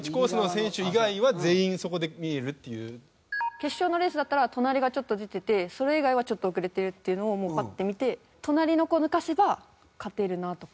決勝のレースだったら隣がちょっと出ててそれ以外はちょっと遅れてるっていうのをパッて見て隣の子を抜かせば勝てるなとか。